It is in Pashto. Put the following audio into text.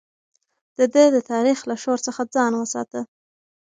ده د تاريخ له شور څخه ځان وساته.